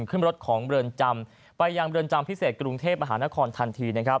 ขึ้นรถของเรือนจำไปยังเรือนจำพิเศษกรุงเทพมหานครทันทีนะครับ